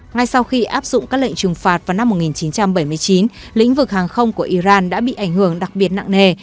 ngay sau khi áp dụng các lệnh trừng phạt vào năm một nghìn chín trăm bảy mươi chín lĩnh vực hàng không của iran đã bị ảnh hưởng đặc biệt nặng nề